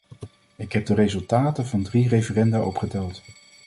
Ik heb de resultaten van de drie referenda opgeteld.